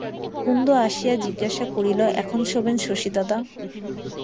কুন্দ আসিয়া জিজ্ঞাসা করিল, এখন শোবেন শশীদাদা?